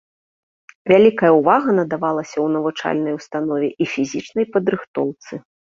Вялікая ўвага надавалася ў навучальнай установе і фізічнай падрыхтоўцы.